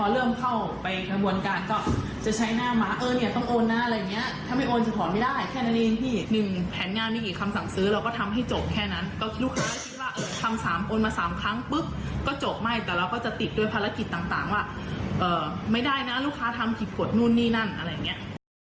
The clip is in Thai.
และแนะนำลักษณ์ต่างว่าไม่ได้นะลูกค้าทำผิดบทนู้นนี้นั่นอะไรอย่างงี้